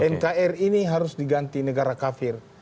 nkr ini harus diganti negara kafir